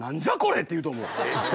って言うと思う。